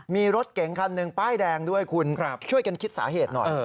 มีรถเก๋งคันหนึ่งป้ายแดงด้วยคุณช่วยกันคิดสาเหตุหน่อย